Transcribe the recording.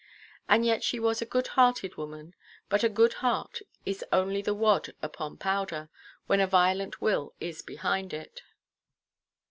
And yet she was a "good–hearted" woman. But a good heart is only the wad upon powder, when a violent will is behind it.